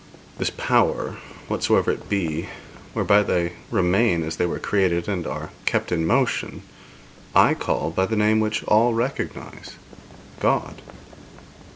This power, whatsoever it be, whereby they remain as they were created, and are kept in motion, I call by the name which all recognise God.'